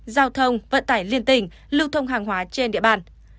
giao thông vận tải liên tỉnh lưu thông hàng hóa trên địa bàn